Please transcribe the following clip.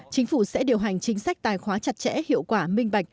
chính phủ sẽ điều hành chính sách tài khoá chặt chẽ hiệu quả minh bạch